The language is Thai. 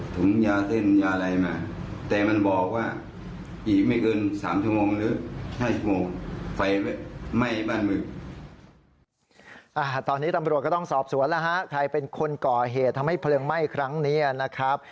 ตอนนี้ตำรวจก็ต้องสอบสวนแล้วฮะใครเป็นคนก่อเหตุทำให้เพลิงไหม้ครั้งนี้นะครับ